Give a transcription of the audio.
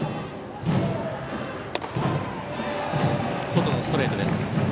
外のストレートです。